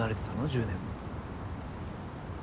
１０年も。